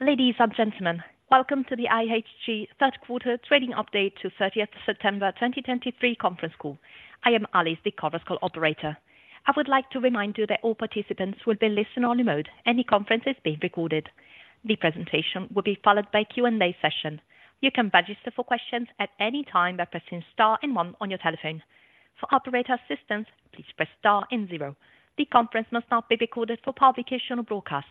Ladies and gentlemen, welcome to the IHG third quarter trading update to 30th September 2023 conference call. I am Alice, the conference call operator. I would like to remind you that all participants will be in listen-only mode, and the conference is being recorded. The presentation will be followed by Q&A session. You can register for questions at any time by pressing star and one on your telephone. For operator assistance, please press star and zero. The conference must not be recorded for publication or broadcast.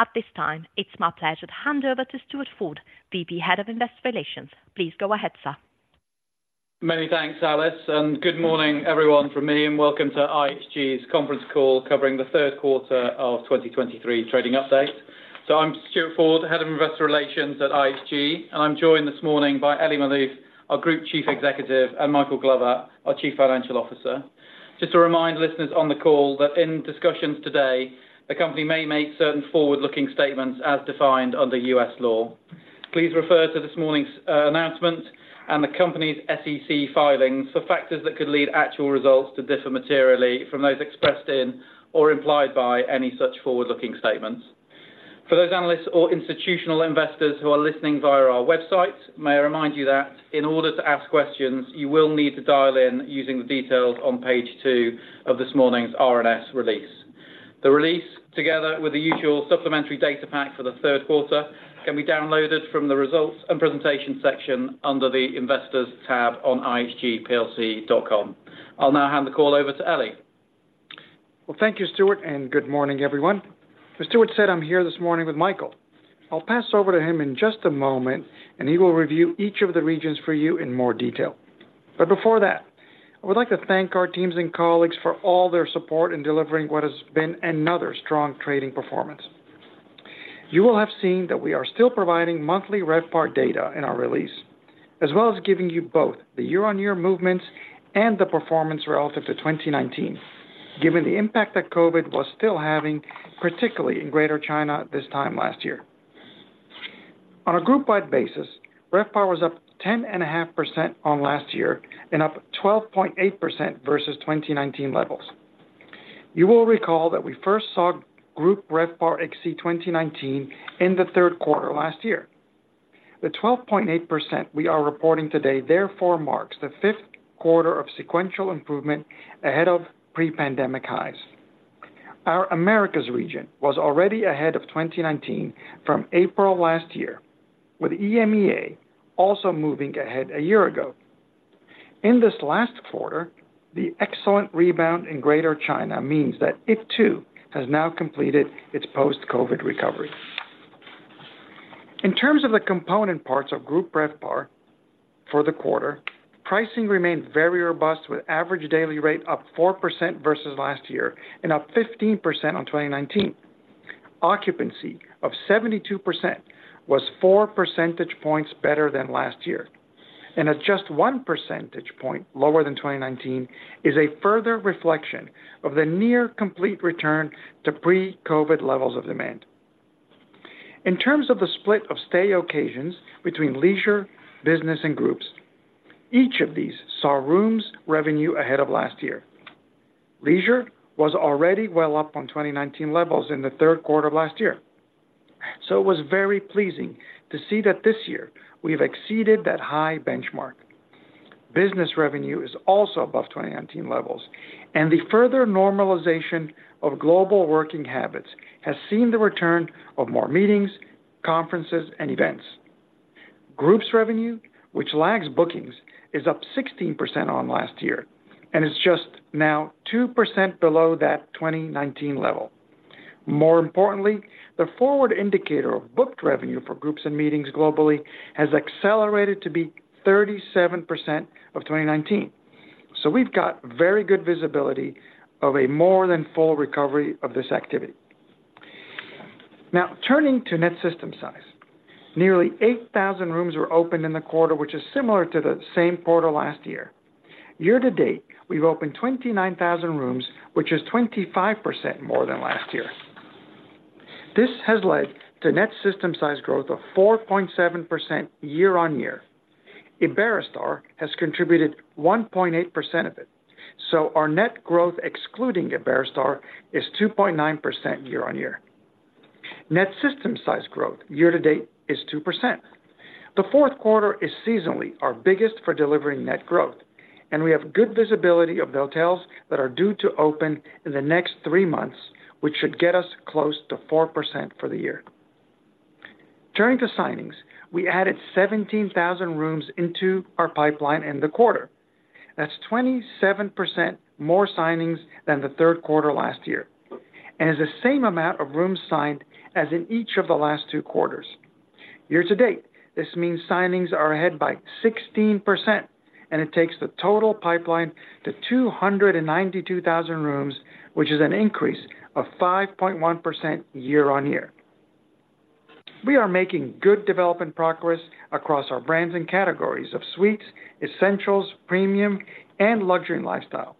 At this time, it's my pleasure to hand over to Stuart Ford, VP, Head of Investor Relations. Please go ahead, sir. Many thanks, Alice, and good morning, everyone, from me, and welcome to IHG's conference call covering the third quarter of 2023 trading update. I'm Stuart Ford, Head of Investor Relations at IHG, and I'm joined this morning by Elie Maalouf, our Group Chief Executive, and Michael Glover, our Chief Financial Officer. Just to remind listeners on the call that in discussions today, the company may make certain forward-looking statements as defined under U.S. law. Please refer to this morning's announcement and the company's SEC filings for factors that could lead actual results to differ materially from those expressed in or implied by any such forward-looking statements. For those analysts or institutional investors who are listening via our website, may I remind you that in order to ask questions, you will need to dial in using the details on page 2 of this morning's RNS release. The release, together with the usual supplementary data pack for the third quarter, can be downloaded from the Results and Presentation section under the Investors tab on ihgplc.com. I'll now hand the call over to Elie. Well, thank you, Stuart, and good morning, everyone. As Stuart said, I'm here this morning with Michael. I'll pass over to him in just a moment, and he will review each of the regions for you in more detail. Before that, I would like to thank our teams and colleagues for all their support in delivering what has been another strong trading performance. You will have seen that we are still providing monthly RevPAR data in our release, as well as giving you both the year-on-year movements and the performance relative to 2019, given the impact that COVID was still having, particularly in Greater China this time last year. On a group-wide basis, RevPAR was up 10.5% on last year and up 12.8% versus 2019 levels. You will recall that we first saw group RevPAR exceed 2019 in the third quarter last year. The 12.8% we are reporting today therefore marks the fifth quarter of sequential improvement ahead of pre-pandemic highs. Our Americas region was already ahead of 2019 from April last year, with EMEAA also moving ahead a year ago. In this last quarter, the excellent rebound in Greater China means that it, too, has now completed its post-COVID recovery. In terms of the component parts of group RevPAR for the quarter, pricing remained very robust, with average daily rate up 4% versus last year and up 15% on 2019. Occupancy of 72% was 4 percentage points better than last year, and at just 1 percentage point lower than 2019, is a further reflection of the near complete return to pre-COVID levels of demand. In terms of the split of stay occasions between leisure, business, and groups, each of these saw rooms revenue ahead of last year. Leisure was already well up on 2019 levels in the third quarter of last year, so it was very pleasing to see that this year we've exceeded that high benchmark. Business revenue is also above 2019 levels, and the further normalization of global working habits has seen the return of more meetings, conferences, and events. Groups revenue, which lags bookings, is up 16% on last year and is just now 2% below that 2019 level. More importantly, the forward indicator of booked revenue for groups and meetings globally has accelerated to be 37% of 2019. We've got very good visibility of a more than full recovery of this activity. Now, turning to net system size. Net system size growth year to date is 2%. The fourth quarter is seasonally our biggest for delivering net growth, and we have good visibility of the hotels that are due to open in the next three months, which should get us close to 4% for the year. Turning to signings, we added 17,000 rooms into our pipeline in the quarter." That's 27% more signings than the third quarter last year, and is the same amount of rooms signed as in each of the last two quarters. Year-to-date, this means signings are ahead by 16%, and it takes the total pipeline to 292,000 rooms, which is an increase of 5.1% year-on-year. We are making good development progress across our brands and categories of Suites, Essentials, Premium, and Luxury and Lifestyle.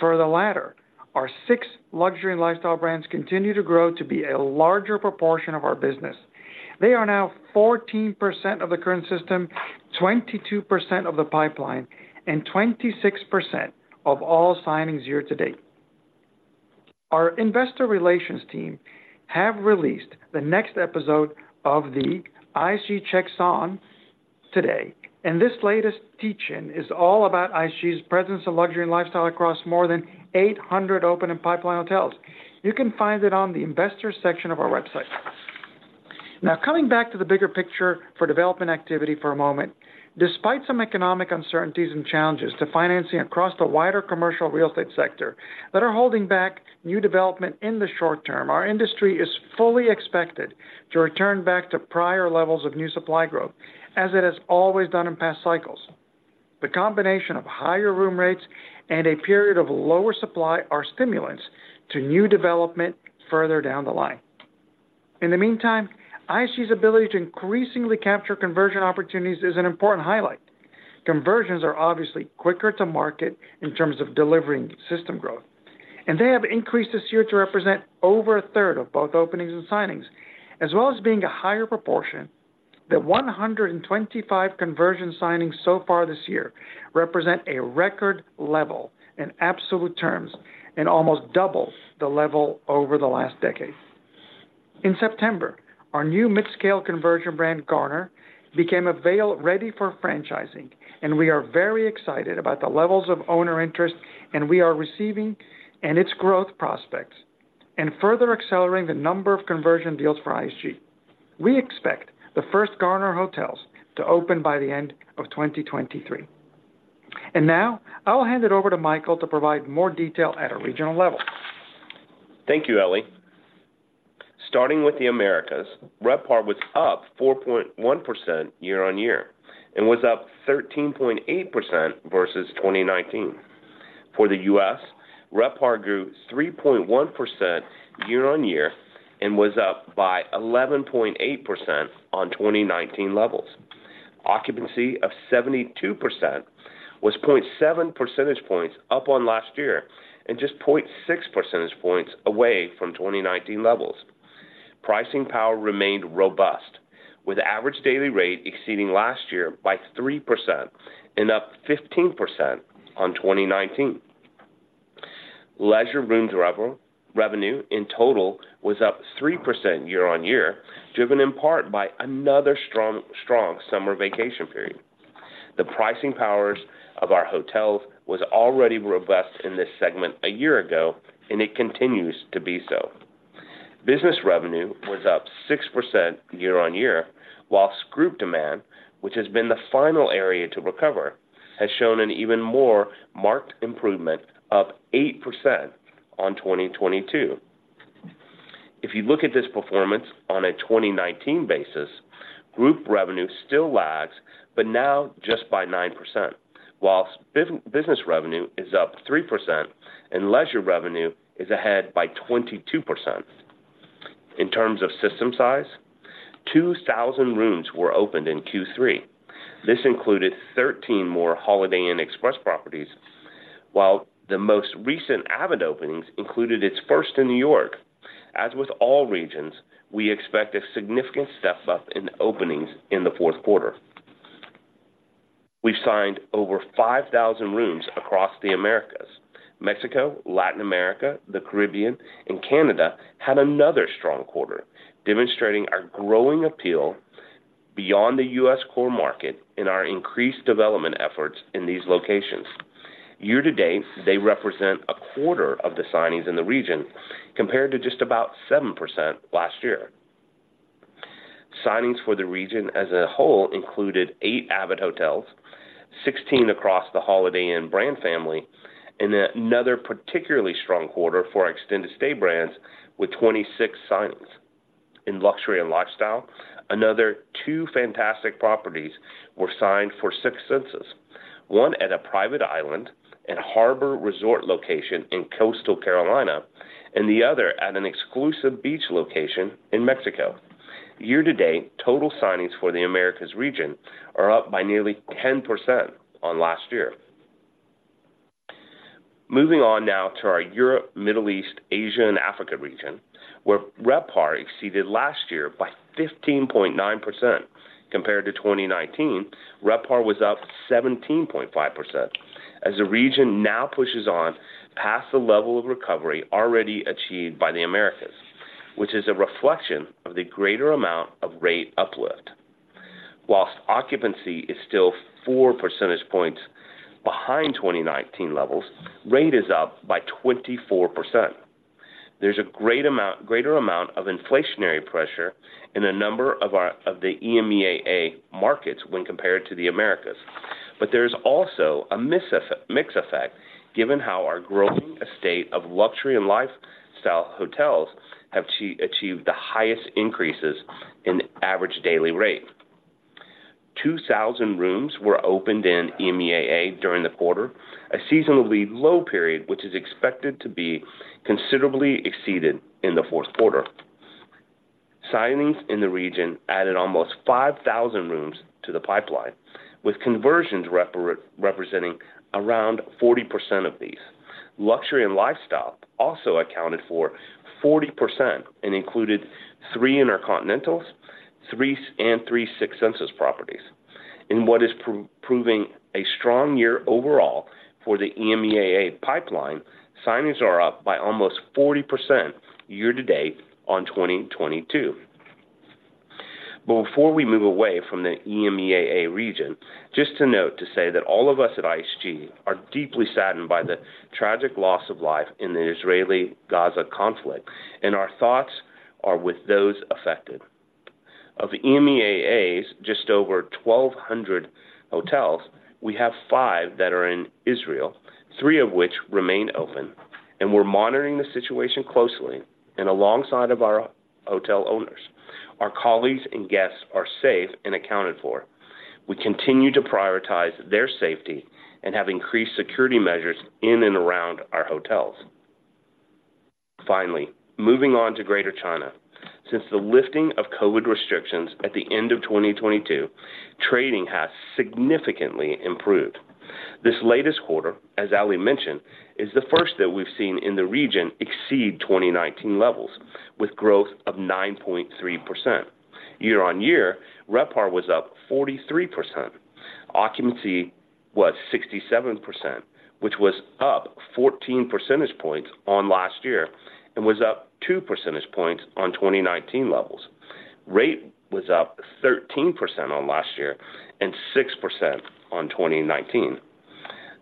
For the latter, our six Luxury and Lifestyle brands continue to grow to be a larger proportion of our business. They are now 14% of the current system, 22% of the pipeline, and 26% of all signings year-to-date. Our investor relations team have released the next episode of the IHG Checks In today, and this latest teach-in is all about IHG's presence in luxury and lifestyle across more than 800 open and pipeline hotels. You can find it on the investor section of our website. Now, coming back to the bigger picture for development activity for a moment. Despite some economic uncertainties and challenges to financing across the wider commercial real estate sector that are holding back new development in the short term, our industry is fully expected to return back to prior levels of new supply growth, as it has always done in past cycles. The combination of higher room rates and a period of lower supply are stimulants to new development further down the line. In the meantime, IHG's ability to increasingly capture conversion opportunities is an important highlight. Conversions are obviously quicker to market in terms of delivering system growth, and they have increased this year to represent over a third of both openings and signings, as well as being a higher proportion. That 125 conversion signings so far this year represent a record level in absolute terms and almost double the level over the last decade. In September, our new mid-scale conversion brand, Garner, became available, ready for franchising, and we are very excited about the levels of owner interest we are receiving and its growth prospects, and further accelerating the number of conversion deals for IHG. We expect the first Garner hotels to open by the end of 2023. Now I'll hand it over to Michael to provide more detail at a regional level. Thank you, Elie. Starting with the Americas, RevPAR was up 4.1% year-on-year and was up 13.8% versus 2019. For the U.S., RevPAR grew 3.1% year-on-year and was up by 11.8% on 2019 levels. Occupancy of 72% was 0.7 percentage points up on last year and just 0.6 percentage points away from 2019 levels. Pricing power remained robust, with Average Daily Rate exceeding last year by 3% and up 15% on 2019. Leisure rooms revenue in total was up 3% year-on-year, driven in part by another strong, strong summer vacation period. The pricing powers of our hotels was already robust in this segment a year ago, and it continues to be so. Business revenue was up 6% year-on-year, whilst group demand, which has been the final area to recover, has shown an even more marked improvement, up 8% on 2022. If you look at this performance on a 2019 basis, group revenue still lags, but now just by 9%, whilst business revenue is up 3% and leisure revenue is ahead by 22%. In terms of system size, 2,000 rooms were opened in Q3. This included 13 more Holiday Inn Express properties, while the most recent avid openings included its first in New York. As with all regions, we expect a significant step up in openings in the fourth quarter. We've signed over 5,000 rooms across the Americas. Mexico, Latin America, the Caribbean, and Canada had another strong quarter, demonstrating our growing appeal beyond the U.S. core market in our increased development efforts in these locations. Year to date, they represent a quarter of the signings in the region, compared to just about 7% last year. Signings for the region as a whole included eight avid hotels, 16 across the Holiday Inn brand family, and another particularly strong quarter for our extended stay brands with 26 signings. In luxury and lifestyle, another two fantastic properties were signed for Six Senses, one at a private island and harbor resort location in coastal Carolina, and the other at an exclusive beach location in Mexico. Year to date, total signings for the Americas region are up by nearly 10% on last year. Moving on now to our Europe, Middle East, Asia, and Africa region, where RevPAR exceeded last year by 15.9%. Compared to 2019, RevPAR was up 17.5%, as the region now pushes on past the level of recovery already achieved by the Americas, which is a reflection of the greater amount of rate uplift. Whilst occupancy is still four percentage points behind 2019 levels, rate is up by 24%. There's a greater amount of inflationary pressure in a number of the EMEAA markets when compared to the Americas. There's also a mix effect, given how our growing estate of luxury and lifestyle hotels have achieved the highest increases in Average Daily Rate. 2,000 rooms were opened in EMEAA during the quarter, a seasonally low period, which is expected to be considerably exceeded in the fourth quarter. Signings in the region added almost 5,000 rooms to the pipeline, with conversions representing around 40% of these. Luxury and lifestyle also accounted for 40% and included three InterContinentals and three Six Senses properties. In what is proving a strong year overall for the EMEAA pipeline, signings are up by almost 40% year-to-date on 2022. Before we move away from the EMEAA region, just to note to say that all of us at IHG are deeply saddened by the tragic loss of life in the Israeli-Gaza conflict, and our thoughts are with those affected. Of the EMEAA's just over 1,200 hotels, we have five that are in Israel, three of which remain open, and we're monitoring the situation closely and alongside of our hotel owners. Our colleagues and guests are safe and accounted for. We continue to prioritize their safety and have increased security measures in and around our hotels. Finally, moving on to Greater China. Since the lifting of COVID restrictions at the end of 2022, trading has significantly improved. This latest quarter, as Elie mentioned, is the first that we've seen in the region exceed 2019 levels, with growth of 9.3%. Year-on-year, RevPAR was up 43%. Occupancy was 67%, which was up 14 percentage points on last year and was up two percentage points on 2019 levels. Rate was up 13% on last year and 6% on 2019.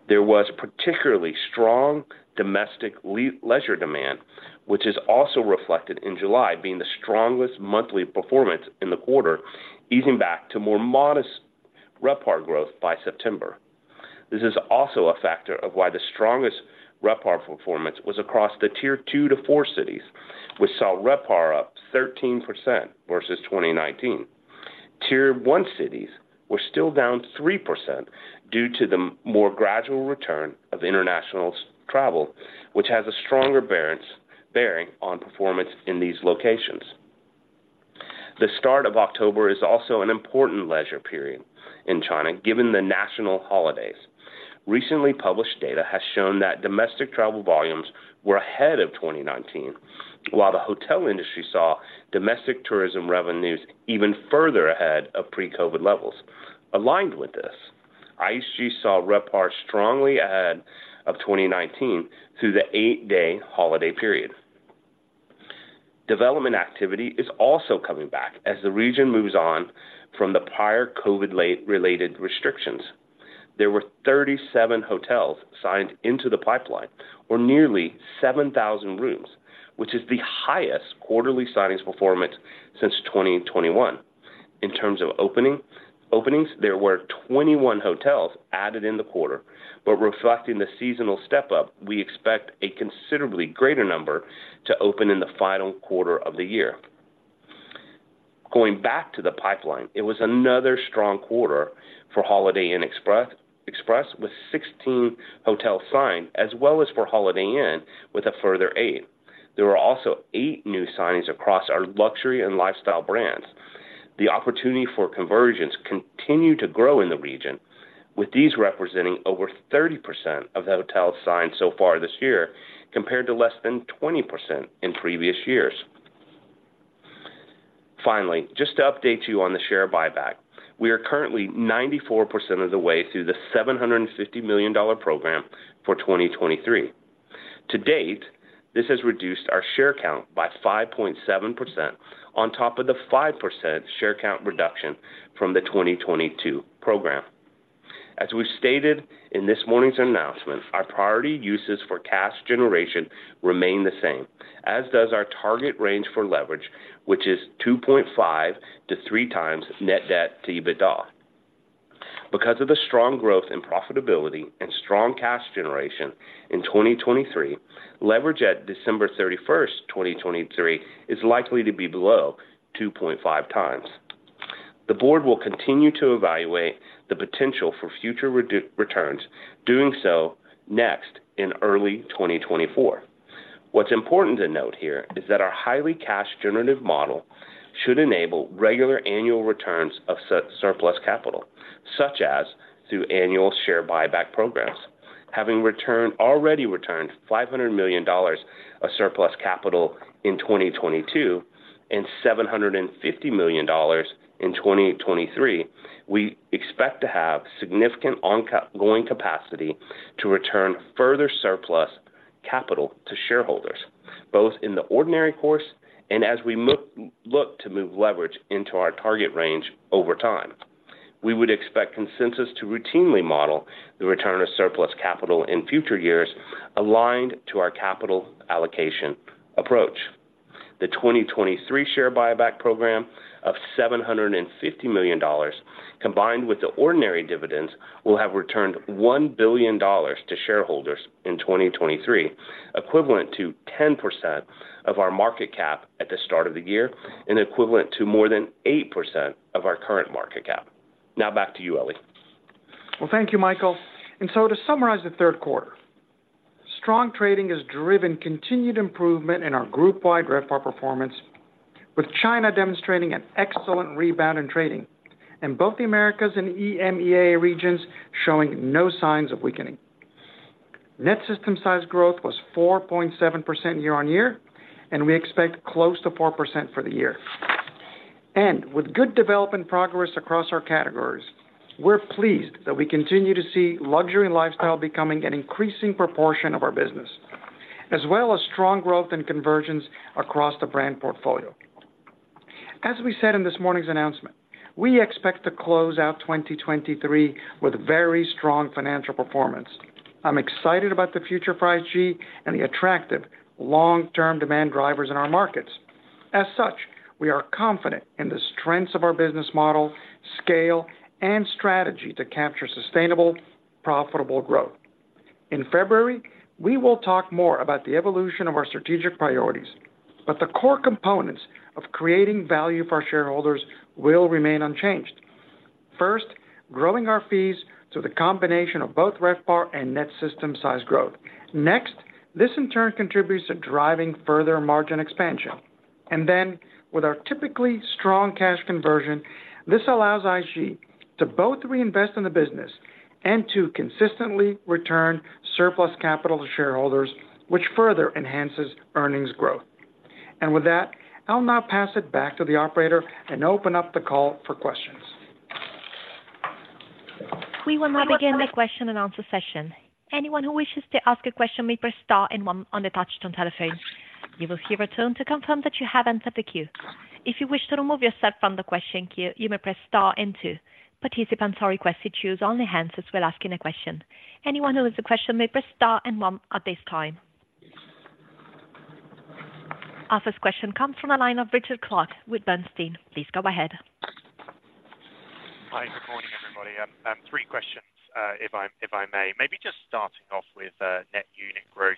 There was particularly strong domestic leisure demand, which is also reflected in July being the strongest monthly performance in the quarter, easing back to more modest RevPAR growth by September. This is also a factor of why the strongest RevPAR performance was across the Tier Two to Four cities, which saw RevPAR up 13% versus 2019. Tier One cities were still down 3% due to the more gradual return of international travel, which has a stronger bearing on performance in these locations. The start of October is also an important leisure period in China, given the national holidays. Recently published data has shown that domestic travel volumes were ahead of 2019, while the hotel industry saw domestic tourism revenues even further ahead of pre-COVID levels. Aligned with this, IHG saw RevPAR strongly ahead of 2019 through the eight-day holiday period. Development activity is also coming back as the region moves on from the prior COVID-related restrictions. There were 37 hotels signed into the pipeline, or nearly 7,000 rooms, which is the highest quarterly signings performance since 2021. In terms of openings, there were 21 hotels added in the quarter, but reflecting the seasonal step-up, we expect a considerably greater number to open in the final quarter of the year. Going back to the pipeline, it was another strong quarter for Holiday Inn Express with 16 hotels signed, as well as for Holiday Inn with a further eight. There were also eight new signings across our luxury and lifestyle brands. The opportunity for conversions continue to grow in the region, with these representing over 30% of hotels signed so far this year, compared to less than 20% in previous years. Finally, just to update you on the share buyback, we are currently 94% of the way through the $750 million program for 2023. To date, this has reduced our share count by 5.7% on top of the 5% share count reduction from the 2022 program. As we've stated in this morning's announcement, our priority uses for cash generation remain the same, as does our target range for leverage, which is 2.5x-3x net debt to EBITDA. Because of the strong growth in profitability and strong cash generation in 2023, leverage at December 31st, 2023, is likely to be below 2.5x. The Board will continue to evaluate the potential for future returns, doing so next in early 2024. What's important to note here is that our highly cash-generative model should enable regular annual returns of surplus capital, such as through annual share buyback programs. Having already returned $500 million of surplus capital in 2022 and $750 million in 2023, we expect to have significant ongoing capacity to return further surplus capital to shareholders, both in the ordinary course and as we look to move leverage into our target range over time. We would expect consensus to routinely model the return of surplus capital in future years, aligned to our capital allocation approach. The 2023 share buyback program of $750 million, combined with the ordinary dividends, will have returned $1 billion to shareholders in 2023, equivalent to 10% of our market cap at the start of the year and equivalent to more than 8% of our current market cap. Now back to you, Elie. Well, thank you, Michael. To summarize the third quarter, strong trading has driven continued improvement in our group-wide RevPAR performance, with China demonstrating an excellent rebound in trading, and both the Americas and EMEAA regions showing no signs of weakening. Net system size growth was 4.7% year-on-year, and we expect close to 4% for the year. With good development progress across our categories, we're pleased that we continue to see luxury and lifestyle becoming an increasing proportion of our business, as well as strong growth and conversions across the brand portfolio. As we said in this morning's announcement, we expect to close out 2023 with very strong financial performance. I'm excited about the future for IHG and the attractive long-term demand drivers in our markets. As such, we are confident in the strengths of our business model, scale, and strategy to capture sustainable, profitable growth. In February, we will talk more about the evolution of our strategic priorities, but the core components of creating value for our shareholders will remain unchanged. First, growing our fees through the combination of both RevPAR and net system size growth. Next, this, in turn, contributes to driving further margin expansion. With our typically strong cash conversion, this allows IHG to both reinvest in the business and to consistently return surplus capital to shareholders, which further enhances earnings growth. With that, I'll now pass it back to the operator and open up the call for questions. We will now begin the Question and Answer session. Anyone who wishes to ask a question may press star and one on the touch-tone telephone. You will hear a tone to confirm that you have entered the queue. If you wish to remove yourself from the question queue, you may press star and two. Participants are requested to use only hands as well asking a question. Anyone who has a question may press star and one at this time. Our first question comes from the line of Richard Clarke with Bernstein. Please go ahead. Hi, good morning, everybody. Three questions if I may. Maybe just starting off with Net Unit Growth.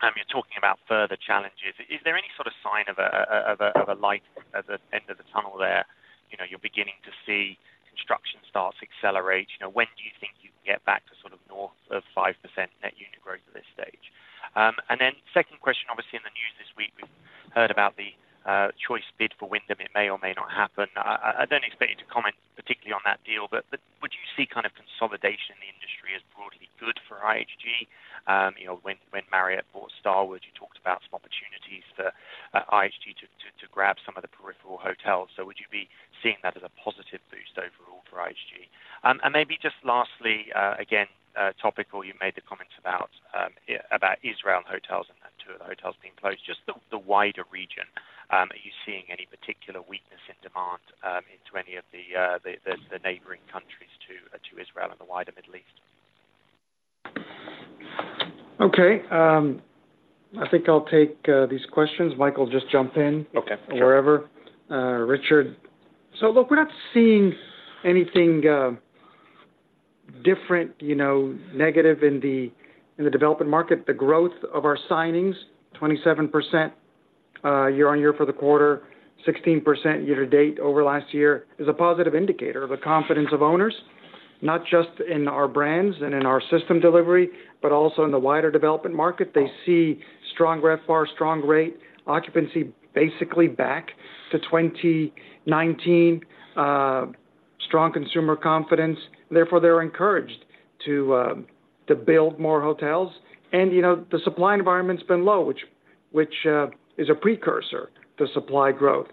You're talking about further challenges. Is there any sort of sign of a light at the end of the tunnel there? You know, you're beginning to see construction starts accelerate. You know, when do you think you can get back to sort of north of 5% Net Unit Growth at this stage? Second question, obviously, in the news this week, we've heard about the Choice bid for Wyndham. It may or may not happen. I don't expect you to comment particularly on that deal, but would you see kind of consolidation in the industry as broadly good for IHG? You know, when Marriott bought Starwood, you talked about some opportunities for IHG to grab some of the peripheral hotels. Would you be seeing that as a positive boost overall for IHG? Maybe just lastly, again topical, you made the comments about Israel and hotels and then two of the hotels being closed. Just the wider region, are you seeing any particular weakness in demand into any of the neighboring countries to Israel and the wider Middle East? Okay, I think I'll take these questions. Michael, just jump in. Okay. Wherever. Richard. Look, we're not seeing anything different, you know, negative in the development market. The growth of our signings, 27% year-on-year for the quarter, 16% year-to-date over last year, is a positive indicator of the confidence of owners, not just in our brands and in our system delivery, but also in the wider development market. They see strong RevPAR, strong rate, occupancy, basically back to 2019, strong consumer confidence. Therefore, they're encouraged to build more hotels. You know, the supply environment's been low, which is a precursor to supply growth.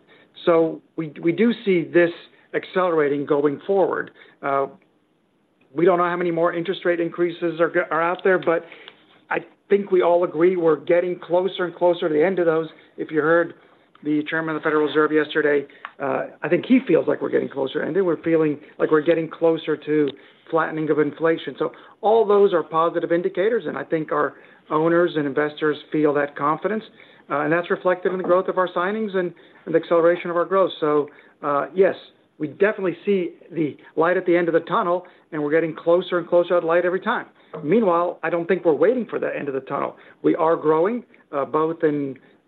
We do see this accelerating going forward. We don't know how many more interest rate increases are out there, but I think we all agree we're getting closer and closer to the end of those. "We" a starter? No.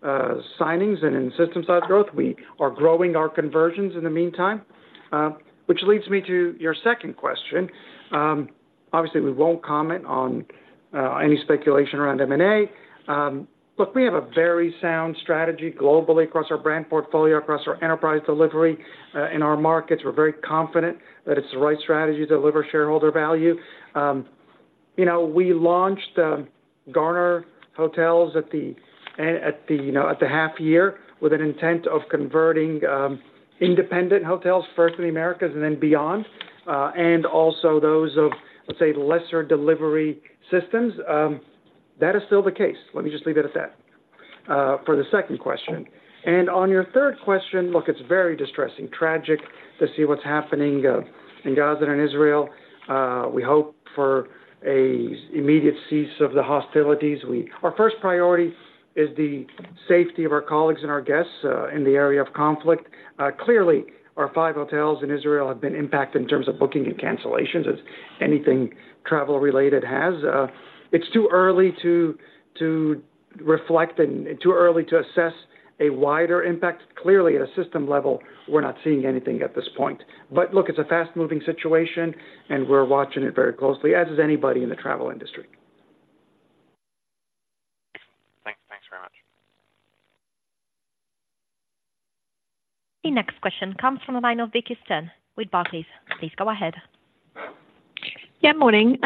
Wait, "We are growing our conversions in the meantime, which leads me to your second question." Is "We" a starter? No. Wait, "Obviously, we won't comment on any speculation around M&A." Is "Obviously" a starter? No. Okay, the only ones to remove are "So" at the beginning of sentences. Wait, "So all those are positive indicators". If I remove "So", it's "All those are positive indicators". Is "So" a starter conjunction? Yes. Is it unnecessary? Yes. Does it alter meaning? No. Wait, "So, uh, yes, we definitely see the light at the end of the tunnel". If I remove "So", it's "Yes, we definitely see the light at the end of the tunnel". Is "So Look, we have a very sound strategy globally across our brand portfolio, across our enterprise delivery in our markets. We're very confident that it's the right strategy to deliver shareholder value. You know, we launched Garner Hotels at the half year with an intent of converting independent hotels first in the Americas and then beyond and also those of, let's say, lesser delivery systems. That is still the case. Let me just leave it at that for the second question. On your third question, look, it's very distressing, tragic to see what's happening in Gaza and in Israel. We hope for a immediate cease of the hostilities. Our first priority is the safety of our colleagues and our guests in the area of conflict. Clearly, our 5 hotels in Israel have been impacted in terms of booking and cancellations, as anything travel-related has. It's too early to reflect and too early to assess a wider impact. Clearly, at a system level, we're not seeing anything at this point. Look, it's a fast-moving situation, and we're watching it very closely, as is anybody in the travel industry. Thanks so much. The next question comes from the line of Vicki Stern with Barclays. Please go ahead. Yeah, morning.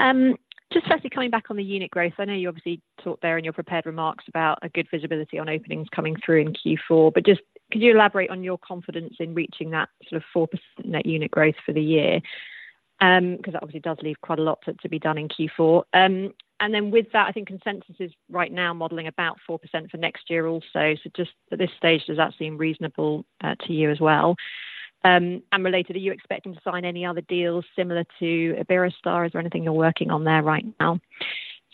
Just firstly, coming back on the unit growth. I know you obviously talked there in your prepared remarks about a good visibility on openings coming through in Q4, but just could you elaborate on your confidence in reaching that sort of 4% net unit growth for the year? Because that obviously does leave quite a lot to be done in Q4. With that, I think consensus is right now modeling about 4% for next year also. Just at this stage, does that seem reasonable to you as well? Related, are you expecting to sign any other deals similar to Iberostar, or is there anything you're working on there right now?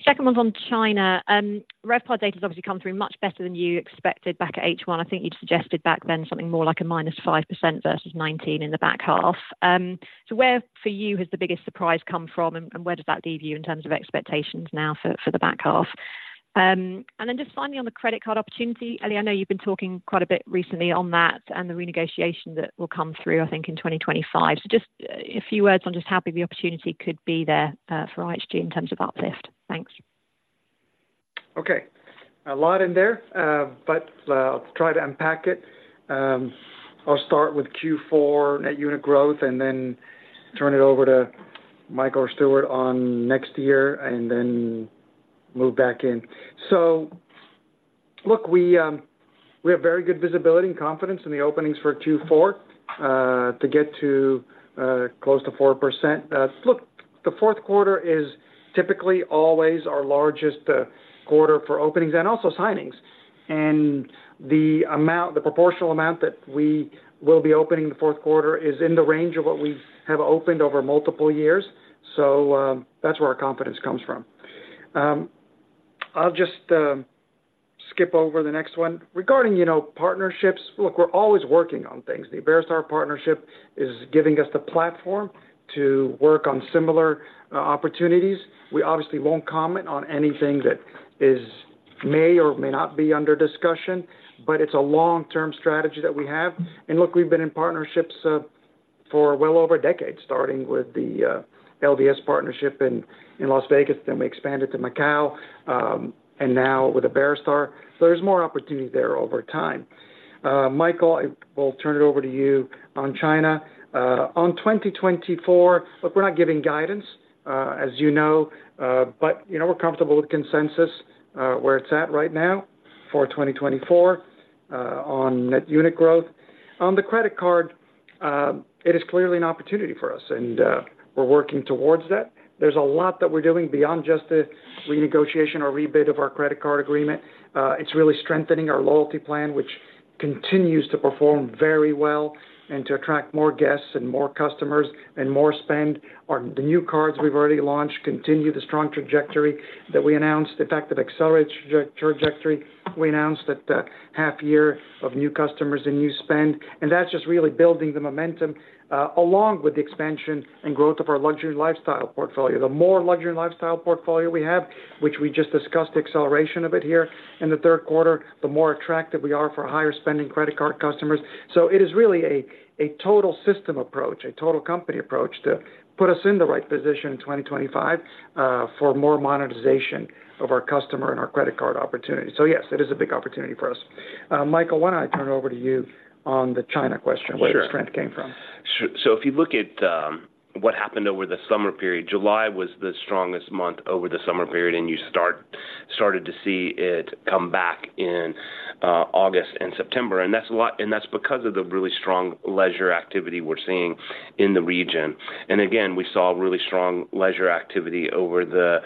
Second one's on China. RevPAR data has obviously come through much better than you expected back at H1. I think you'd suggested back then something more like a -5% versus 2019 in the back half. Where, for you, has the biggest surprise come from, and where does that leave you in terms of expectations now for the back half? Just finally, on the credit card opportunity, Elie, I know you've been talking quite a bit recently on that and the renegotiation that will come through, I think, in 2025. Just a few words on just how big the opportunity could be there for IHG in terms of uplift. Thanks. Okay. A lot in there, but I'll try to unpack it. I'll start with Q4 net unit growth and then turn it over to Mike or Stuart on next year and then move back in. Look, we have very good visibility and confidence in the openings for Q4 to get to close to 4%. Look, the fourth quarter is typically always our largest quarter for openings and also signings. The amount, the proportional amount that we will be opening in the fourth quarter is in the range of what we have opened over multiple years. That's where our confidence comes from. I'll just skip over the next one. Regarding, you know, partnerships, look, we're always working on things. The Iberostar partnership is giving us the platform to work on similar opportunities. We obviously won't comment on anything that may or may not be under discussion, but it's a long-term strategy that we have. Look, we've been in partnerships for well over a decade, starting with the LVS partnership in Las Vegas, then we expanded to Macau, and now with Iberostar. There's more opportunity there over time. Michael, I will turn it over to you on China. On 2024, look, we're not giving guidance, as you know, but, you know, we're comfortable with consensus where it's at right now for 2024 on net unit growth. On the credit card, it is clearly an opportunity for us, and we're working towards that. There's a lot that we're doing beyond just the renegotiation or rebid of our credit card agreement. It's really strengthening our loyalty plan, which continues to perform very well and to attract more guests and more customers and more spend. The new cards we've already launched continue the strong trajectory that we announced, in fact, the accelerated trajectory. We announced that the half year of new customers and new spend, and that's just really building the momentum along with the expansion and growth of our luxury lifestyle portfolio. The more luxury lifestyle portfolio we have, which we just discussed the acceleration of it here in the third quarter, the more attractive we are for higher spending credit card customers. It is really a total system approach, a total company approach to put us in the right position in 2025 for more monetization of our customer and our credit card opportunities. Yes, it is a big opportunity for us. Michael, why don't I turn it over to you on the China question, where the strength came from? Sure. If you look at what happened over the summer period, July was the strongest month over the summer period, and you started to see it come back in August and September. That's because of the really strong leisure activity we're seeing in the region. Again, we saw really strong leisure activity over the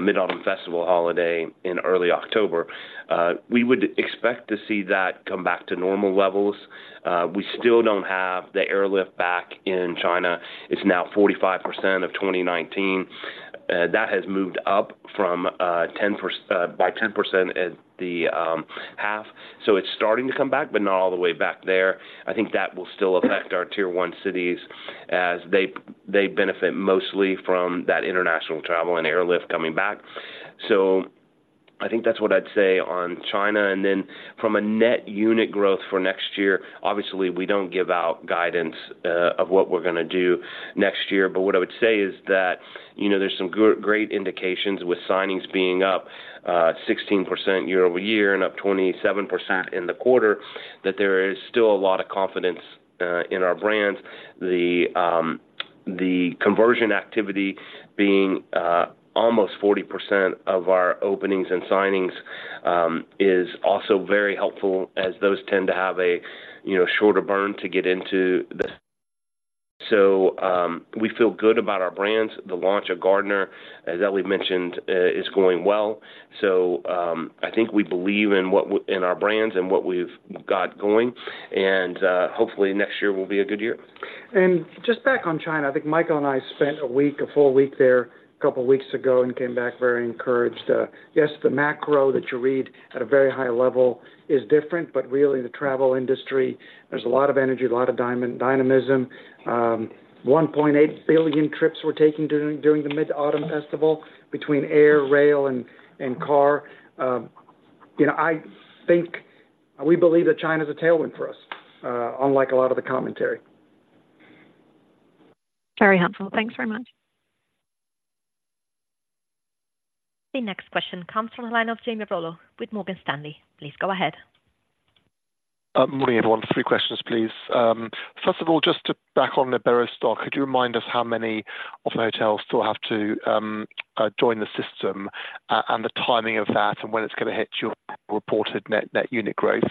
Mid-Autumn Festival holiday in early October. We would expect to see that come back to normal levels. We still don't have the airlift back in China. It's now 45% of 2019. That has moved up by 10% at the half. It's starting to come back, but not all the way back there. I think that will still affect our Tier One cities as they benefit mostly from that international travel and airlift coming back. I think that's what I'd say on China. From a net unit growth for next year, obviously, we don't give out guidance of what we're gonna do next year. What I would say is that, you know, there's some good, great indications with signings being up 16% year-over-year and up 27% in the quarter, that there is still a lot of confidence in our brands. The conversion activity being almost 40% of our openings and signings is also very helpful as those tend to have a, you know, shorter burn to get into the... We feel good about our brands. The launch of Garner, as Elie mentioned, is going well. I think we believe in our brands and what we've got going, and hopefully, next year will be a good year. Just back on China, I think Michael and I spent a week, a full week there, a couple of weeks ago and came back very encouraged. Yes, the macro that you read at a very high level is different, but really, the travel industry, there's a lot of energy, a lot of dynamism. 1.8 billion trips were taken during the Mid-Autumn Festival between air, rail, and car. You know, I think we believe that China is a tailwind for us, unlike a lot of the commentary. Very helpful. Thanks very much. The next question comes from the line of Jamie Rollo with Morgan Stanley. Please go ahead. Morning, everyone. Three questions, please. First of all, just to back on the Iberostar, could you remind us how many of the hotels still have to join the system and the timing of that and when it's going to hit your reported Net Unit Growth?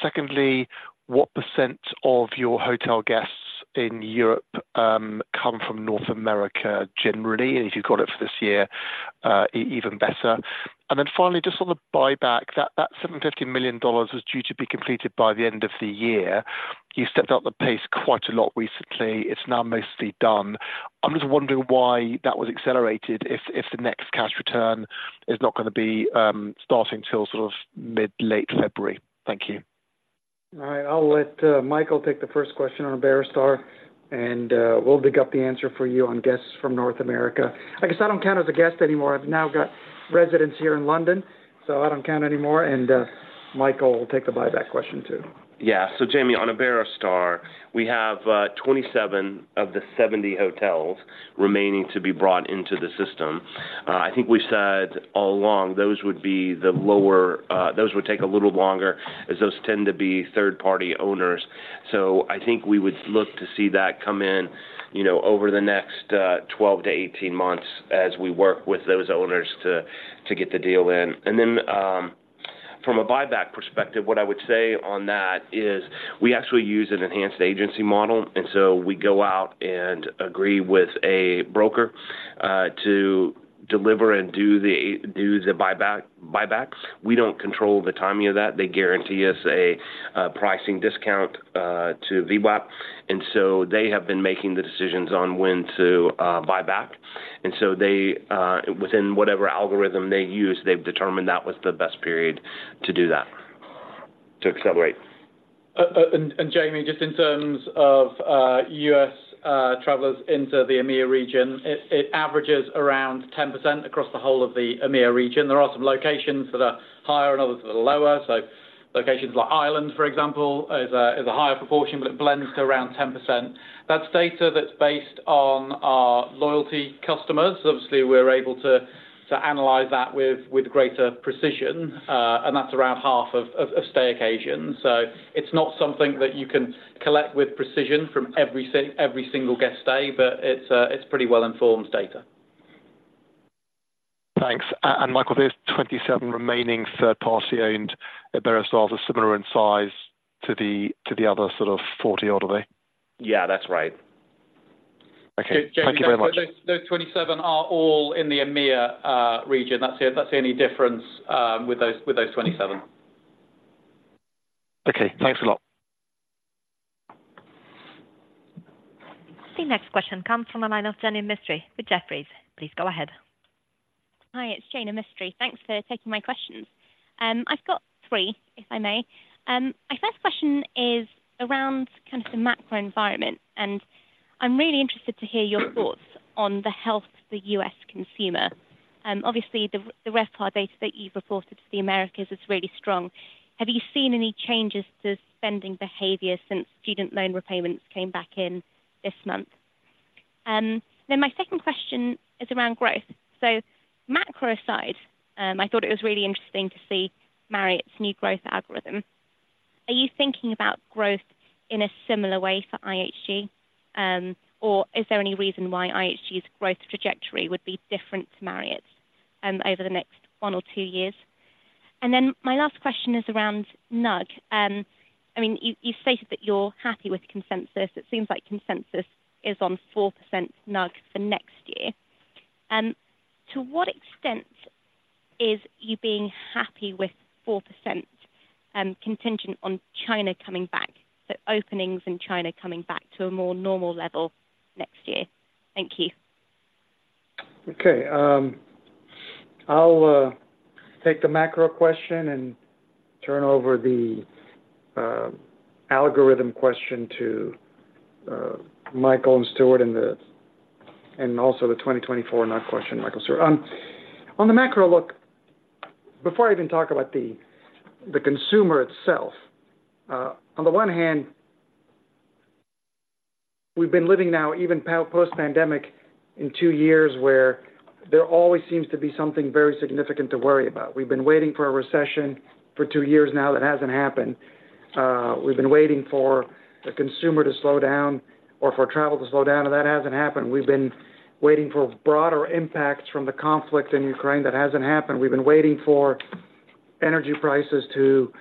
Secondly, what % of your hotel guests in Europe come from North America generally? If you've got it for this year, even better. Finally, just on the buyback, that $750 million was due to be completed by the end of the year. You've stepped up the pace quite a lot recently. It's now mostly done. I'm just wondering why that was accelerated if the next cash return is not going to be starting till sort of mid-late February. Thank you. All right, I'll let Michael take the first question on Iberostar, and we'll dig up the answer for you on guests from North America. I guess I don't count as a guest anymore. I've now got residence here in London, so I don't count anymore. Michael will take the buyback question, too. Yeah. Jamie, on Iberostar, we have 27 of the 70 hotels remaining to be brought into the system. I think we said all along, those would be the lower... those would take a little longer as those tend to be third-party owners. I think we would look to see that come in, you know, over the next 12-18 months as we work with those owners to get the deal in. From a buyback perspective, what I would say on that is we actually use an enhanced agency model, and so we go out and agree with a broker to deliver and do the buyback, buybacks. We don't control the timing of that. They guarantee us a pricing discount to VWAP, and so they have been making the decisions on when to buy back. Within whatever algorithm they use, they've determined that was the best period to do that, to accelerate. Jamie, just in terms of U.S. travelers into the EMEAA region, it averages around 10% across the whole of the EMEAA region. There are some locations that are higher and others that are lower. Locations like Ireland, for example, is a higher proportion, but it blends to around 10%. That's data that's based on our loyalty customers. Obviously, we're able to analyze that with greater precision, and that's around half of stay occasions. It's not something that you can collect with precision from every single guest stay, but it's pretty well-informed data. Thanks. Michael, those 27 remaining third-party-owned Iberostars are similar in size to the other sort of 40, are they? Yeah, that's right. Okay. Thank you very much. Those 27 are all in the EMEAA region. That's the only difference with those 27. Okay, thanks a lot. The next question comes from the line of Jaina Mistry with Jefferies. Please go ahead. Hi, it's Jaina Mistry. Thanks for taking my questions. I've got three, if I may. My first question is around kind of the macro environment, and I'm really interested to hear your thoughts on the health of the U.S. consumer. Obviously, the RevPAR data that you've reported to the Americas is really strong. Have you seen any changes to spending behavior since student loan repayments came back in this month? My second question is around growth. Macro aside, I thought it was really interesting to see Marriott's new growth algorithm. Are you thinking about growth in a similar way for IHG? Is there any reason why IHG's growth trajectory would be different to Marriott's over the next one or two years? My last question is around NUG. I mean, you stated that you're happy with consensus. It seems like consensus is on 4% NUG for next year. To what extent is you being happy with 4% contingent on China coming back, so openings in China coming back to a more normal level next year? Thank you. Okay, I'll take the macro question and turn over the algorithm question to Michael and Stuart, and also the 2024 NUG question, Michael and Stuart. On the macro look, before I even talk about the consumer itself, on the one hand, we've been living now even post-pandemic in two years, where there always seems to be something very significant to worry about. We've been waiting for a recession for two years now, that hasn't happened. We've been waiting for the consumer to slow down or for travel to slow down, and that hasn't happened. We've been waiting for broader impacts from the conflict in Ukraine, that hasn't happened. We've been waiting for energy prices to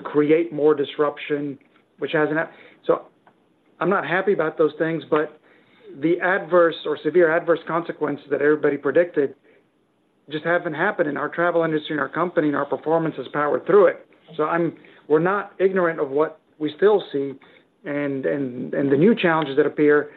create more disruption, which hasn't happened. I'm not happy about those things, but the adverse or severe adverse consequences that everybody predicted just haven't happened, and our travel industry and our company, and our performance has powered through it. We're not ignorant of what we still see and the new challenges that appear,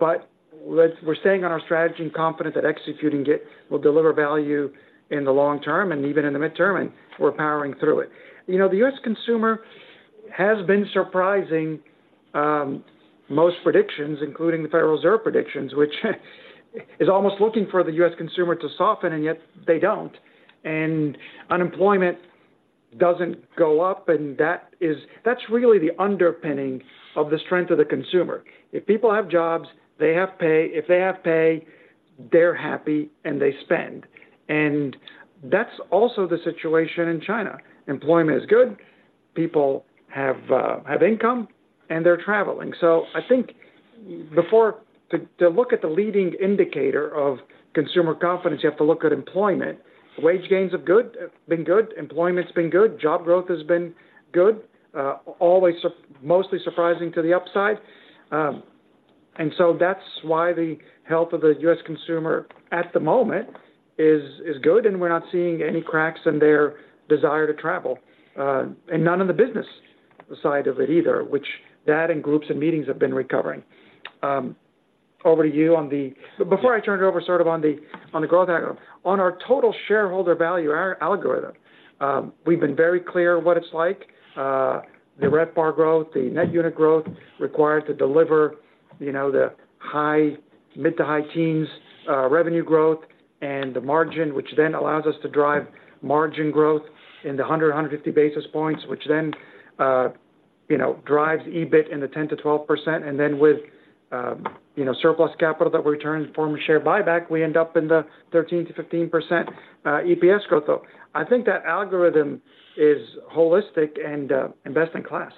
but we're staying on our strategy and confident that executing it will deliver value in the long term and even in the midterm, and we're powering through it. You know, the U.S. consumer has been surprising most predictions, including the Federal Reserve predictions, which is almost looking for the U.S. consumer to soften, and yet they don't. Unemployment doesn't go up, and that's really the underpinning of the strength of the consumer. If people have jobs, they have pay. If they have pay, they're happy, and they spend. That's also the situation in China. Employment is good, people have income, and they're traveling. I think to look at the leading indicator of consumer confidence, you have to look at employment. Wage gains are good, have been good, employment's been good, job growth has been good, always mostly surprising to the upside. That's why the health of the U.S. consumer, at the moment, is good, and we're not seeing any cracks in their desire to travel and none in the business side of it either, which that and groups and meetings have been recovering. Before I turn it over, sort of, on the growth, on our total shareholder value, our algorithm, we've been very clear what it's like. The RevPAR growth, the net unit growth required to deliver, you know, the high, mid- to high teens revenue growth and the margin, which then allows us to drive margin growth in the 100, 150 basis points, which then, you know, drives EBIT in the 10%-12%. With, you know, surplus capital that returns in the form of share buyback, we end up in the 13%-15% EPS growth, though. I think that algorithm is holistic and best-in-class.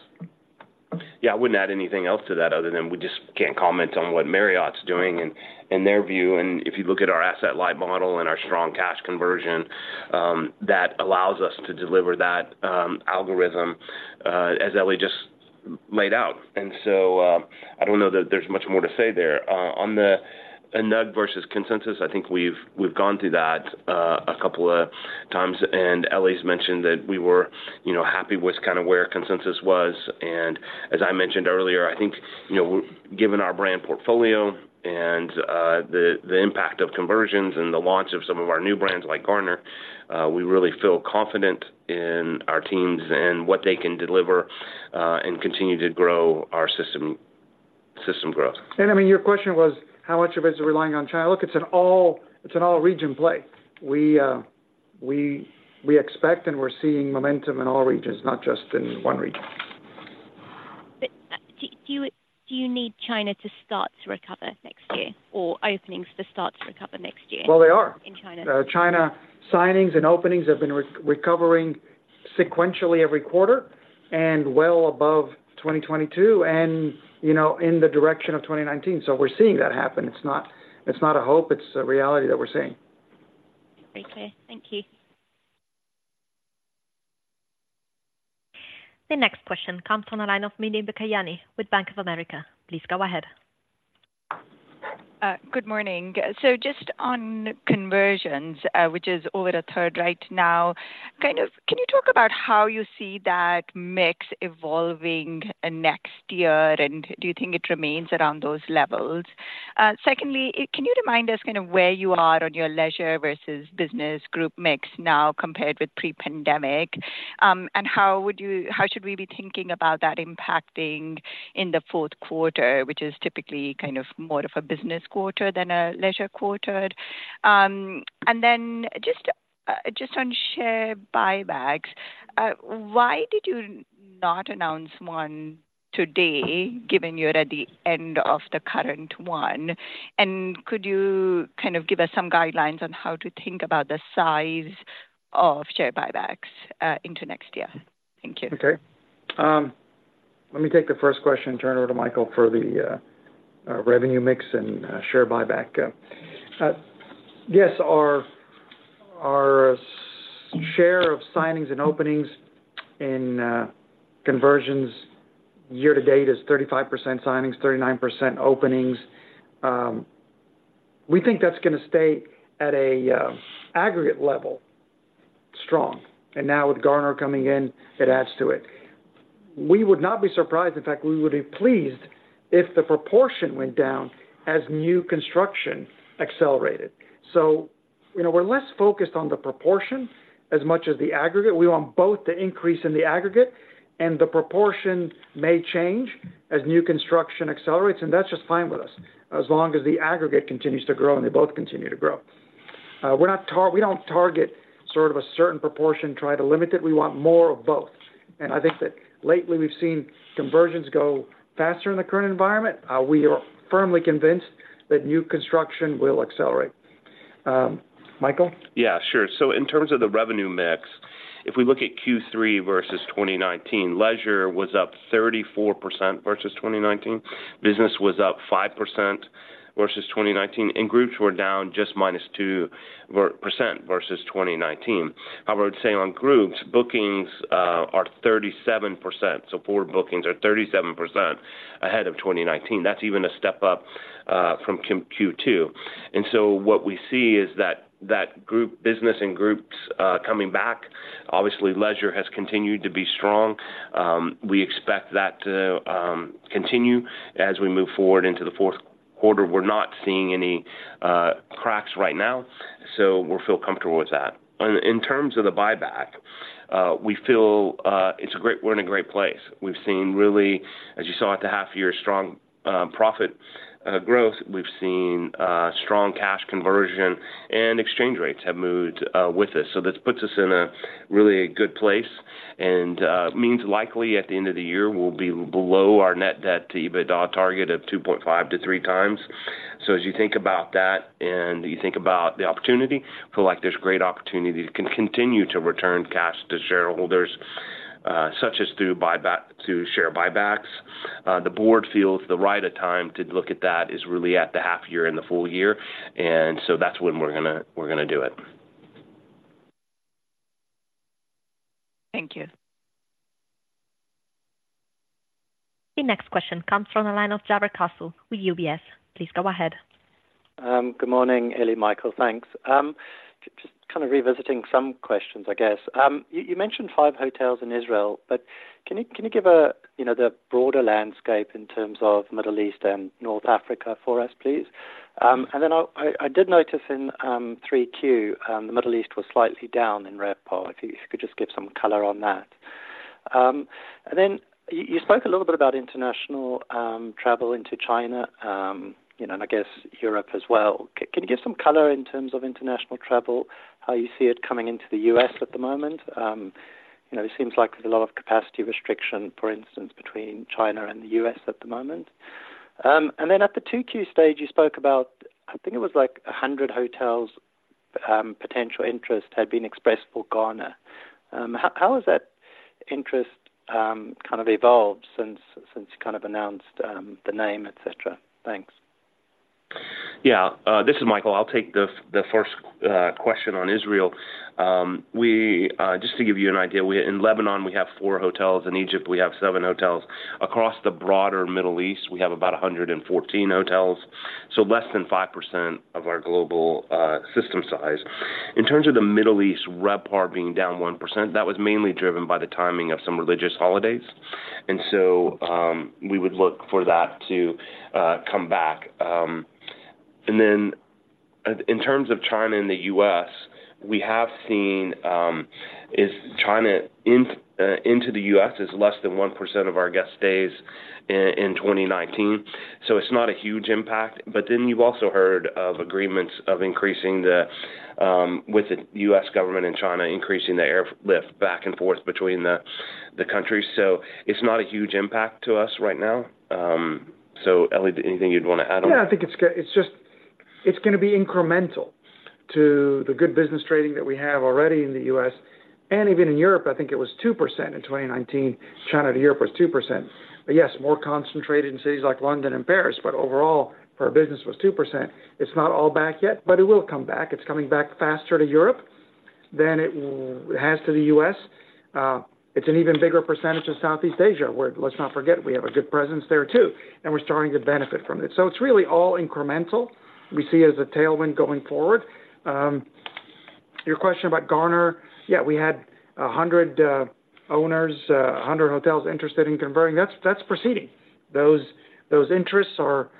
Yeah, I wouldn't add anything else to that other than we just can't comment on what Marriott's doing and in their view. If you look at our asset-light model and our strong cash conversion, that allows us to deliver that algorithm as Elie just laid out. I don't know that there's much more to say there. On the NUG versus consensus, I think we've gone through that a couple of times, and Elie's mentioned that we were, you know, happy with kind of where consensus was. As I mentioned earlier, I think, you know, given our brand portfolio and the impact of conversions and the launch of some of our new brands like Garner, we really feel confident in our teams and what they can deliver and continue to grow our system growth. I mean, your question was, how much of it is relying on China? Look, it's an all-region play. We expect and we're seeing momentum in all regions, not just in one region. Do you need China to start to recover next year or openings to start to recover next year? Well, they are. In China. China signings and openings have been recovering sequentially every quarter and well above 2022, and, you know, in the direction of 2019. We're seeing that happen. It's not, it's not a hope. It's a reality that we're seeing. Okay, thank you. The next question comes on the line of Mimi Bakoyannis with Bank of America. Please go ahead. Good morning. Just on conversions, which is over a third right now, kind of, can you talk about how you see that mix evolving next year, and do you think it remains around those levels? Secondly, can you remind us kind of where you are on your leisure versus business group mix now, compared with pre-pandemic? How should we be thinking about that impacting in the fourth quarter, which is typically kind of more of a business quarter than a leisure quarter? Just on share buybacks, why did you not announce one today, given you're at the end of the current one? Could you kind of give us some guidelines on how to think about the size of share buybacks into next year? Thank you. Okay. Let me take the first question and turn it over to Michael for the revenue mix and share buyback. Yes, our share of signings and openings in conversions year to date is 35% signings, 39% openings. We think that's going to stay at an aggregate level, strong. Now with Garner coming in, it adds to it. We would not be surprised, in fact, we would be pleased, if the proportion went down as new construction accelerated. You know, we're less focused on the proportion as much as the aggregate. We want both to increase in the aggregate, and the proportion may change as new construction accelerates, and that's just fine with us, as long as the aggregate continues to grow and they both continue to grow. We don't target sort of a certain proportion, try to limit it. We want more of both. I think that lately we've seen conversions go faster in the current environment. We are firmly convinced that new construction will accelerate. Michael? Yeah, sure. In terms of the revenue mix, if we look at Q3 versus 2019, leisure was up 34% versus 2019. Business was up 5% versus 2019, and groups were down just -2% versus 2019. However, I'd say on groups, bookings are 37%, so forward bookings are 37% ahead of 2019. That's even a step up from Q2. What we see is that group business and groups coming back. Obviously, leisure has continued to be strong. We expect that to continue as we move forward into the fourth quarter. We're not seeing any cracks right now, so we'll feel comfortable with that. In terms of the buyback, we feel we're in a great place. We've seen really, as you saw at the half-year, strong profit growth. We've seen strong cash conversion and exchange rates have moved with us. This puts us in a really good place. Means likely at the end of the year, we'll be below our net debt-to-EBITDA target of 2.5x-3x. As you think about that and you think about the opportunity, feel like there's great opportunity to continue to return cash to shareholders, such as through share buybacks. The Board feels the right of time to look at that is really at the half-year and the full-year, and so that's when we're gonna do it. Thank you. The next question comes from the line of Jarrod Castle with UBS. Please go ahead. Good morning, Elie, Michael, thanks. Just kind of revisiting some questions, I guess. You mentioned five hotels in Israel, but can you give a, you know, the broader landscape in terms of Middle East and North Africa for us, please? I did notice in 3Q, the Middle East was slightly down in RevPAR, if you could just give some color on that. You spoke a little bit about international travel into China, you know, and I guess Europe as well. Can you give some color in terms of international travel? How you see it coming into the U.S. at the moment? You know, it seems like there's a lot of capacity restriction, for instance, between China and the U.S. at the moment. At the 2Q stage, you spoke about, I think it was like 100 hotels, potential interest had been expressed for Garner. How has that interest kind of evolved since you kind of announced the name, et cetera? Thanks. Yeah, this is Michael. I'll take the first question on Israel. Just to give you an idea, in Lebanon, we have four hotels. In Egypt, we have seven hotels. Across the broader Middle East, we have about 114 hotels, so less than 5% of our global system size. In terms of the Middle East, RevPAR being down 1%, that was mainly driven by the timing of some religious holidays, and so we would look for that to come back. In terms of China and the U.S., we have seen China into the U.S. is less than 1% of our guest stays in 2019, so it's not a huge impact. Then you've also heard of agreements of increasing with the U.S. government and China, increasing the airlift back and forth between the countries. It's not a huge impact to us right now. Elie, anything you'd want to add on? Yeah, I think it's just, it's gonna be incremental to the good business trading that we have already in the U.S., and even in Europe, I think it was 2% in 2019. China to Europe was 2%. Yes, more concentrated in cities like London and Paris, but overall, our business was 2%. It's not all back yet, but it will come back. It's coming back faster to Europe than it has to the U.S. It's an even bigger percentage of Southeast Asia, where let's not forget, we have a good presence there, too, and we're starting to benefit from it. It's really all incremental. We see it as a tailwind going forward. Your question about Garner? Yeah, we had 100 owners, 100 hotels interested in converting. That's proceeding. Those interests are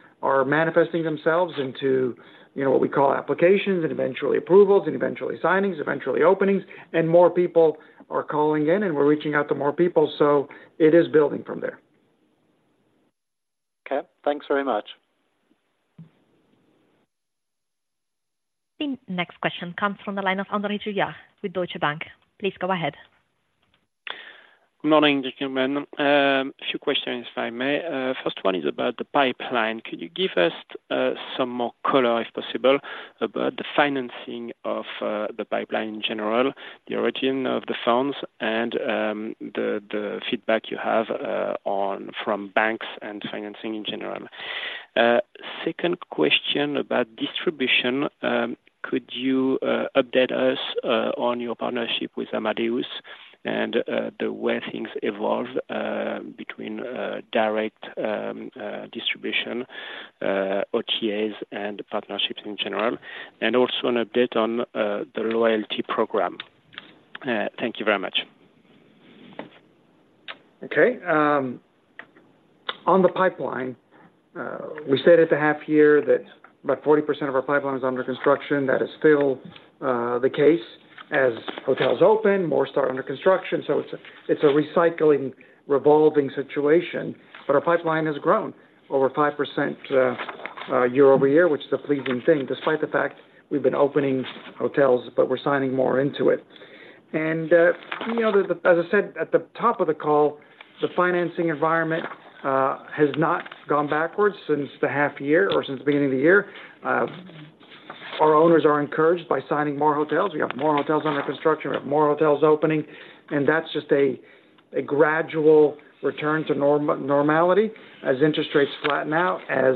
manifesting themselves into, you know, what we call applications and eventually approvals, and eventually signings, eventually openings, and more people are calling in, and we're reaching out to more people, so it is building from there. Okay, thanks very much. The next question comes from the line of Andre Juillard with Deutsche Bank. Please go ahead. Good morning, gentlemen. A few questions, if I may. First one is about the pipeline. Can you give us some more color, if possible, about the financing of the pipeline in general, the origin of the funds and the feedback you have from banks and financing in general? Second question about distribution. Could you update us on your partnership with Amadeus and the way things evolve between direct distribution, OTAs and partnerships in general, and also an update on the loyalty program? Thank you very much. Okay, on the pipeline, we said at the half-year that about 40% of our pipeline is under construction. That is still the case. As hotels open, more start under construction, so it's a recycling, revolving situation. Our pipeline has grown over 5% year-over-year, which is a pleasing thing. Despite the fact we've been opening hotels, but we're signing more into it. You know, as I said at the top of the call, the financing environment has not gone backwards since the half-year or since the beginning of the year. Our owners are encouraged by signing more hotels. We have more hotels under construction, we have more hotels opening, and that's just a gradual return to normality. As interest rates flatten out, as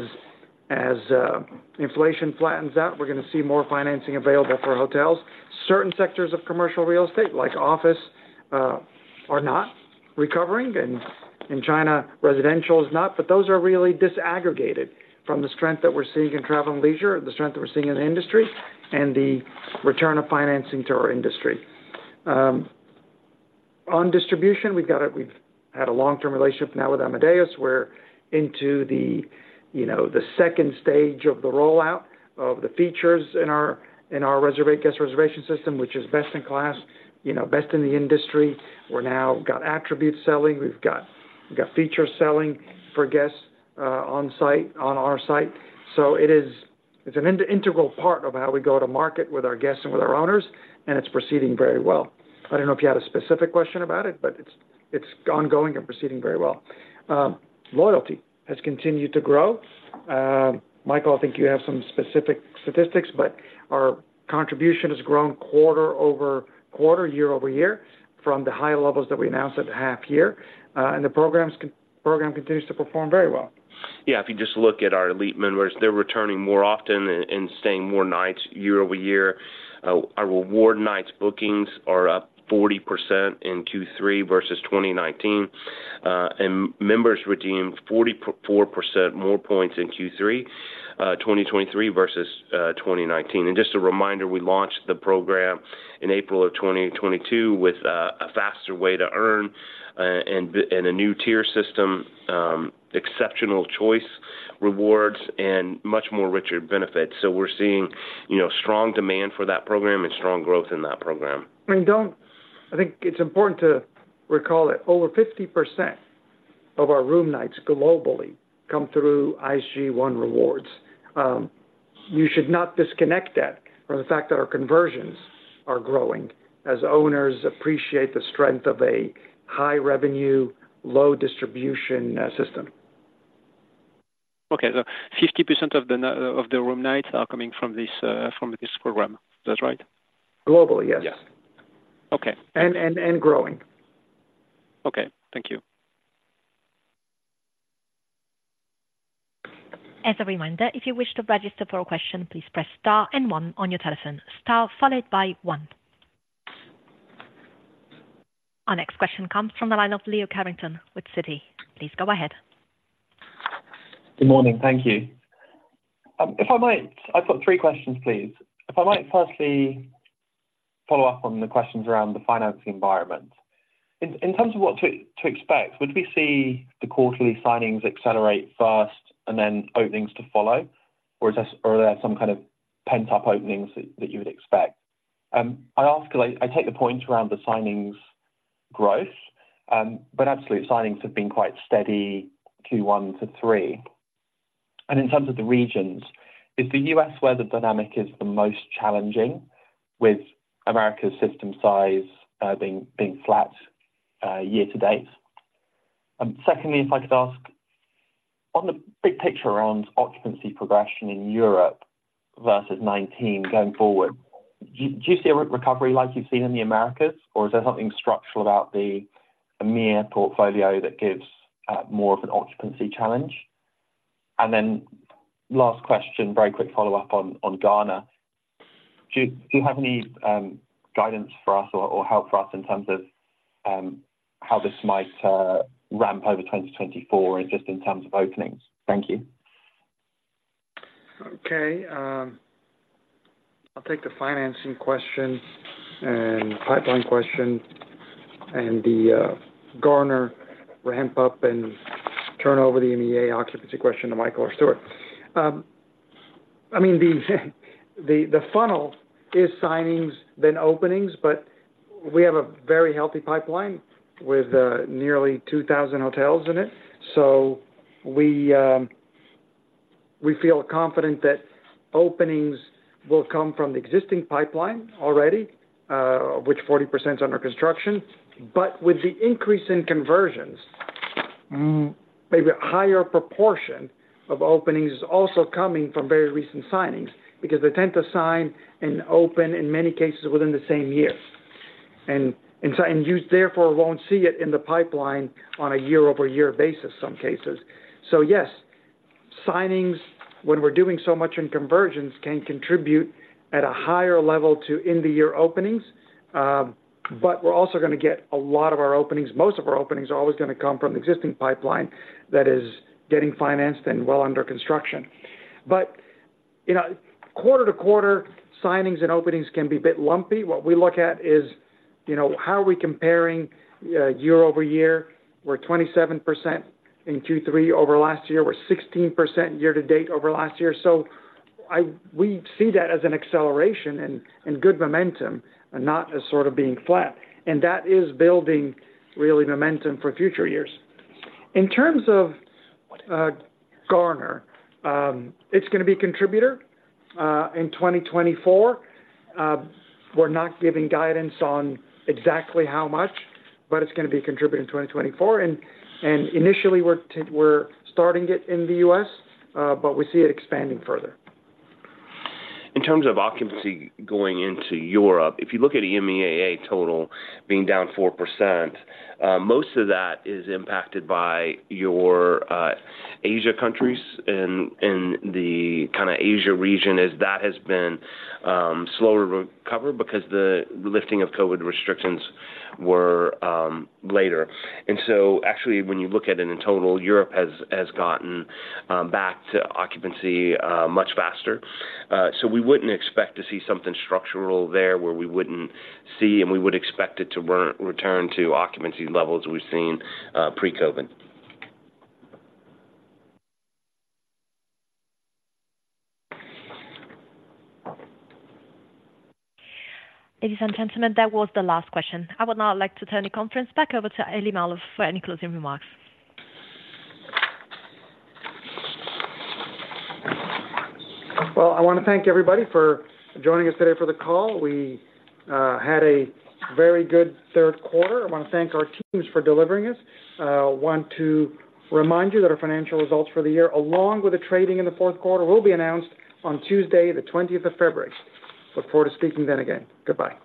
inflation flattens out, we're gonna see more financing available for hotels. Certain sectors of commercial real estate, like office, are not recovering, and in China, residential is not. But those are really disaggregated from the strength that we're seeing in travel and leisure, the strength that we're seeing in the industry, and the return of financing to our industry. On distribution, we've had a long-term relationship now with Amadeus. We're into, you know, the second stage of the rollout of the features in our guest reservation system, which is best in class, you know, best in the industry. We're now got attribute selling. We've got feature selling for guests on our site. It is... It's an integral part of how we go to market with our guests and with our owners, and it's proceeding very well. I don't know if you had a specific question about it, but it's ongoing and proceeding very well. Loyalty has continued to grow. Michael, I think you have some specific statistics, but our contribution has grown quarter-over-quarter, year-over-year from the high levels that we announced at the half-year, and the program continues to perform very well. Yeah, if you just look at our elite members, they're returning more often and staying more nights year-over-year. Our Reward Nights bookings are up 40% in Q3 versus 2019. Members redeemed 44% more points in Q3 2023 versus 2019. Just a reminder, we launched the program in April of 2022 with a faster way to earn and a new tier system, exceptional choice rewards and much more richer benefits. We're seeing, you know, strong demand for that program and strong growth in that program. I think it's important to recall that over 50% of our room nights globally come through IHG One Rewards. You should not disconnect that from the fact that our conversions are growing, as owners appreciate the strength of a high revenue, low distribution system. Keep the percentage of the room night coming from these room. Is that right? Globally, yes. Yes. Okay. Growing. Okay. Thank you. As a reminder, if you wish to register for a question, please press star and one on your telephone. Star followed by one. Our next question comes from the line of Leo Carrington with Citi. Please go ahead. Good morning. Thank you. If I might, I've got three questions, please. If I might firstly follow up on the questions around the financing environment. In terms of what to expect, would we see the quarterly signings accelerate first and then openings to follow? Are there some kind of pent-up openings that you would expect? I ask because I take the point around the signings growth, but absolute signings have been quite steady, Q1-3. In terms of the regions, is the U.S. where the dynamic is the most challenging, with Americas system size being flat year-to-date? Secondly, if I could ask, on the big picture around occupancy progression in Europe versus 2019 going forward, do you see a recovery like you've seen in the Americas? Is there something structural about the EMEAA portfolio that gives more of an occupancy challenge? Last question, very quick follow-up on Garner. Do you have any guidance for us or help for us in terms of how this might ramp over 2024 and just in terms of openings? Thank you. Okay, I'll take the financing question and the pipeline question and the Garner ramp-up and turn over the EMEAA occupancy question to Michael or Stuart. I mean, the funnel is signings, then openings, but we have a very healthy pipeline with nearly 2,000 hotels in it. We feel confident that openings will come from the existing pipeline already, which 40% is under construction. With the increase in conversions, maybe a higher proportion of openings is also coming from very recent signings, because they tend to sign and open, in many cases, within the same year. You, therefore, won't see it in the pipeline on a year-over-year basis, some cases. Yes, signings, when we're doing so much in conversions, can contribute at a higher level to end-of-year openings. We're also going to get a lot of our openings. Most of our openings are always going to come from the existing pipeline that is getting financed and well under construction. You know, quarter-to-quarter signings and openings can be a bit lumpy. What we look at is, you know, how are we comparing year-over-year? We're 27% in Q3 over last year. We're 16% year-to-date over last year. We see that as an acceleration and good momentum, and not as sort of being flat. That is building really momentum for future years. In terms of Garner, it's going to be a contributor in 2024. We're not giving guidance on exactly how much, but it's going to be a contributor in 2024. Initially, we're starting it in the U.S., but we see it expanding further. In terms of occupancy going into Europe, if you look at the EMEAA total being down 4%, most of that is impacted by your Asia countries and the kind of Asia region, as that has been slower to recover because the lifting of COVID restrictions were later. Actually, when you look at it in total, Europe has gotten back to occupancy much faster. We wouldn't expect to see something structural there, where we wouldn't see, and we would expect it to return to occupancy levels we've seen pre-COVID. Ladies and gentlemen, that was the last question. I would now like to turn the conference back over to Elie Maalouf for any closing remarks. Well, I want to thank everybody for joining us today for the call. We had a very good third quarter. I want to thank our teams for delivering it. I want to remind you that our financial results for the year, along with the trading in the fourth quarter, will be announced on Tuesday, the 20th of February. Look forward to speaking then again. Goodbye.